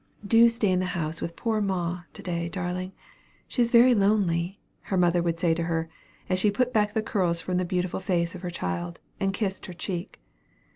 "Do stay in the house with poor ma, to day, darling; she is very lonely," her mother would say to her, as she put back the curls from the beautiful face of her child, and kissed her cheek.